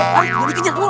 jadi kejar dulu